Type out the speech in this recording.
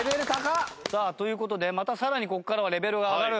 さあという事でまたさらにここからはレベルが上がる。